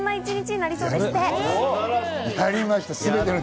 やりました！